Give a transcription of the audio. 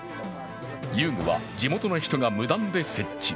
遊具は地元の人が無断で設置。